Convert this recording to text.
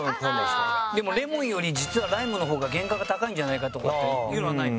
でもレモンより実はライムの方が原価が高いんじゃないかとかっていうのはないの？